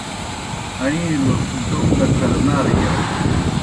آئِین٘لوْ ڈوْم دہ کھرہ نارہ گِیاؤن۔